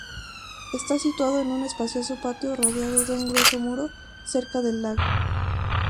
Está situado en un espacioso patio rodeado de un grueso muro cerca del lago.